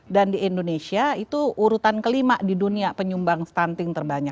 dan di indonesia itu urutan kelima di dunia penyumbang stunting terbanyak